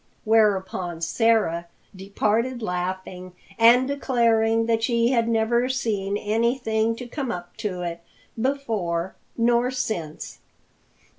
Whereupon Sarah departed laughing and declaring that she had "never seen anything to come up to it, before nor since."